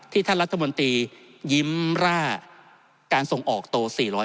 ท่านรัฐมนตรียิ้มร่าการส่งออกโต๔๕